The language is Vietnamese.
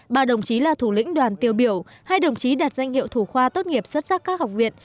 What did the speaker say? ba đồng chí là thủ lĩnh đoàn tiêu biểu hai đồng chí đạt danh hiệu thủ khoa tốt nghiệp xuất sắc các học viện